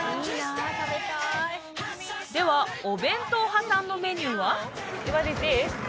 ではお弁当派さんのメニューは？